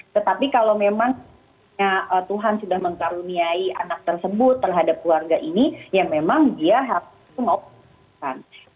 tetapi kalau memang tuhan sudah mengkaruniai anak tersebut terhadap keluarga ini ya memang dia harus mengoptimalkan